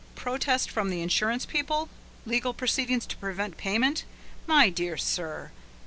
Protest from the insurance people? Legal proceedings to prevent payment? My dear sir!